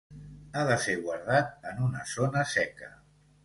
Ha de ser guardat en una zona seca.